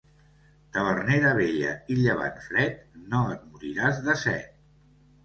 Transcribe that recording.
Tavernera vella i llevant fred, no et moriràs de set.